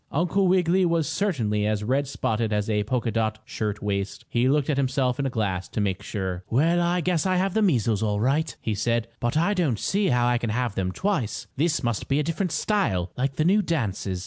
Uncle Wiggily was certainly as red spotted as a polka dot shirt waist. He looked at himself in a glass to make sure. "Well, I guess I have the measles all right," he said. "But I don't see how I can have them twice. This must be a different style, like the new dances."